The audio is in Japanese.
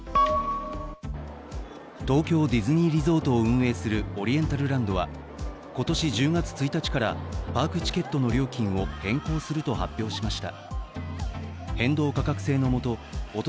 東京ディズニーリゾートを運営するオリエンタルランドは今年１０月１日からパークチケットの料金を変更すると発表しました。